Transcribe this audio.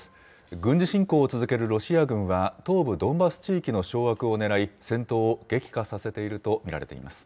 軍事侵攻を続けるロシア軍は東部ドンバス地域の掌握を狙い、戦闘を激化させていると見られています。